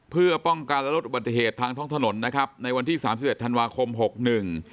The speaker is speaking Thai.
เพื่อป้องกันและลดอุบัติเหตุทางท้องถนนนะครับในวันที่สามสิบเอ็ดธันวาคมหกหนึ่ง